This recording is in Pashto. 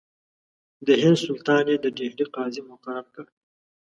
د هند سلطان یې د ډهلي قاضي مقرر کړ.